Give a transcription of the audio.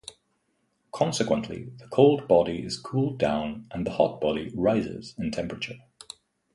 Consequently, the cold body is cooled down and the hot body rises in temperature.